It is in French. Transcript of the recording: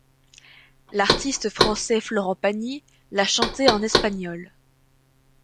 L'artiste français Florent Pagny l'a chantée en espagnol.